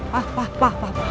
pak pak pak pak pak pak